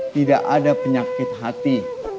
tidak ada penyakit hati